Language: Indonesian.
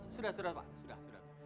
sudah sudah pak sudah